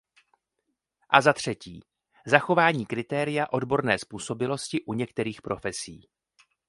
A za třetí, zachování kritéria odborné způsobilosti u některých profesí.